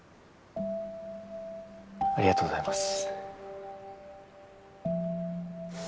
ありがとうございます。